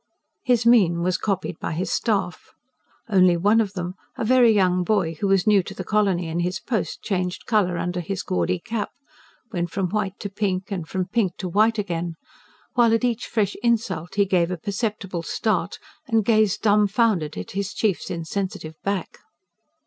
His mien was copied by his staff. Only one of them, a very young boy who was new to the colony and his post, changed colour under his gaudy cap, went from white to pink and from pink to white again; while at each fresh insult he gave a perceptible start, and gazed dumbfounded at his chief's insensitive back.